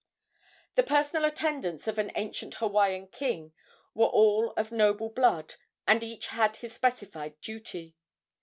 The personal attendants of an ancient Hawaiian king were all of noble blood, and each had his specified duty.